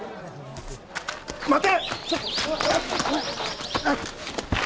待て！